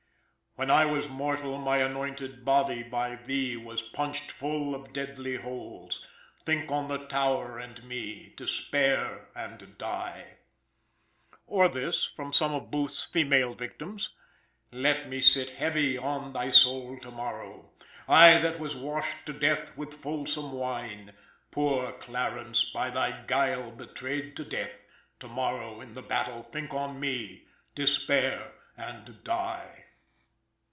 "When I was mortal my anointed body By thee was punched full of deadly holes: Think on the Tower and me! Despair and die!" Or this, from some of Booth's female victims: "Let me sit heavy on thy soul to morrow! I that was washed to death with fulsome wine; Poor Clarence, by thy guile betrayed to death: To morrow in the battle think on me; despair and die!"